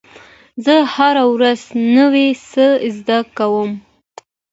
زه هره ورځ نوی څه زده کوم.